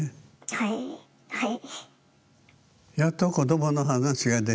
はいはい。